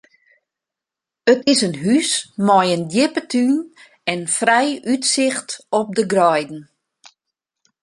It is in hús mei in djippe tún en frij útsicht op de greiden.